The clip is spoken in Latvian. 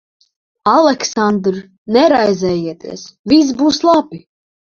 Aleksandr, neraizējieties. Viss būs labi.